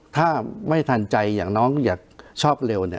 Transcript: ถ้าไม่ทันใจอย่างน้องอยากชอบเร็ว